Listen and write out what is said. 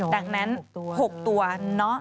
ดังนั้น๖ตัวเนาะ